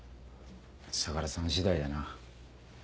相良さん次第だな。